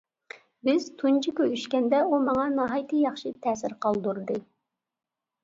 بىز تۇنجى كۆرۈشكەندە ئۇ ماڭا ناھايىتى ياخشى تەسىر قالدۇردى.